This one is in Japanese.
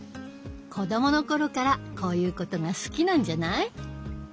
子どもの頃からこういうことが好きなんじゃない？